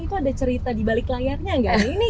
itu ada cerita di balik layarnya nggak